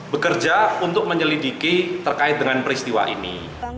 bekerja untuk menyelidiki terkait dengan peristiwa ini